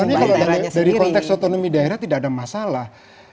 tapi sebenarnya dari konteks otonomi daerah tidak ada masalah